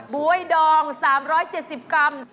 ๊วยดอง๓๗๐กรัม